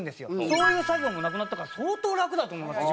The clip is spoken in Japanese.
そういう作業もなくなったから相当楽だと思いますよ